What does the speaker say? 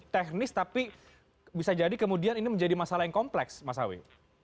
teknis tapi bisa jadi kemudian ini menjadi masalah yang kompleks mas awi